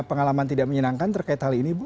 pengalaman tidak menyenangkan terkait hal ini bu